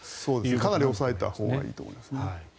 かなり抑えたほうがいいと思います。